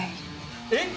えっ！